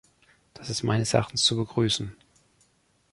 Das ist meines Erachtens zu begrüßen.